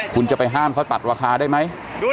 คุณจะไปห้ามเขาตัดราคาได้ไหม